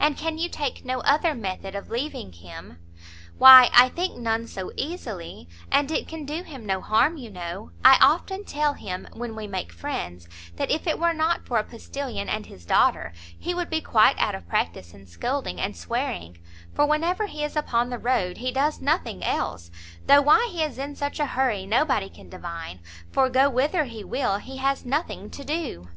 "And can you take no other method of leaving him?" "Why I think none so easily; and it can do him no harm, you know; I often tell him, when we make friends, that if it were not for a postilion and his daughter, he would be quite out of practice in scolding and swearing; for whenever he is upon the road he does nothing else; though why he is in such a hurry, nobody can divine, for go whither he will he has nothing to do."